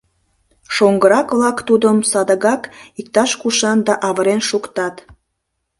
Шоҥгырак-влак тудым садыгак иктаж-кушан да авырен шуктат.